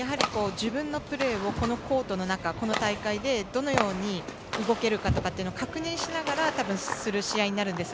自分のプレーをこのコートの中この大会でどのように動けるかというのを確認しながらたぶんする試合になると思います。